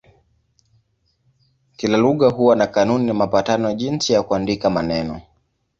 Kila lugha huwa na kanuni na mapatano jinsi ya kuandika maneno.